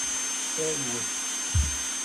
Serwet.